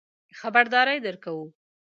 خبرداری درکوو.